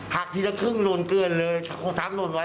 หากทีละครึ่งโรนเกลือเลยคนทางโรนไว้